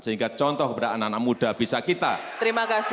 sehingga contoh kepada anak anak muda bisa kita berikan yang baik